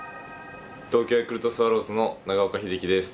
東京ヤクルトスワローズの長岡秀樹です。